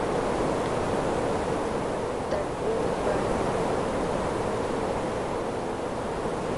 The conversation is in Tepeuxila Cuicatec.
Takó daya toʼö.